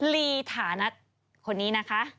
ลีฐานัทคนนี้นะคะ